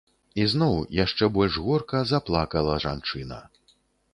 І зноў, яшчэ больш горка, заплакала жанчына.